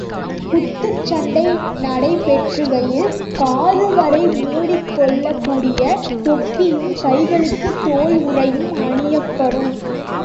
குத்துச் சண்டை நடைபெறுகையில், காதுவரை மூடிக் கொள்ளக்கூடிய தொப்பியும் கைகளுக்குத் தோல் உறையும் அணியப்படும்.